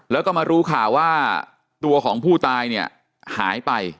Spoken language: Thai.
แล้วก็มารู้ข่าวว่าตัวของผู้ตายเนี่ยหายไป